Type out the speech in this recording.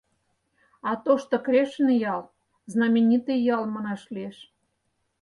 А Тошто Крешын ял — знаменитый ял, манаш лиеш.